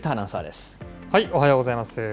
おはようございます。